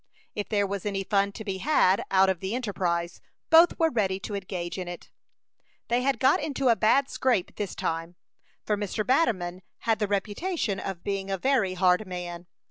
If there was any fun to be had out of the enterprise, both were ready to engage in it. They had got into a bad scrape this time, for Mr. Batterman had the reputation of being a very hard man.